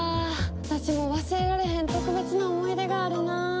私も忘れられへん特別な思い出があるなあ。